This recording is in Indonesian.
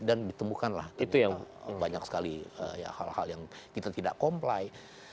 dan ditemukanlah banyak sekali hal hal yang kita tidak comply